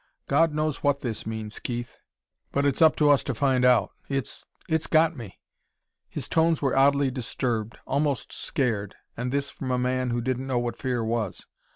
God knows what this means, Keith, but it's up to us to find out. It's it's got me...." His tones were oddly disturbed almost scared and this from a man who didn't know what fear was.